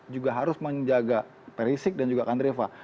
juga harus menjaga perisik dan juga kandreva